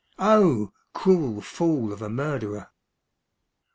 Oh! cruel fool of a murderer.